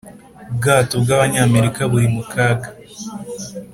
Ubwato bwa banyamerika buri mukaga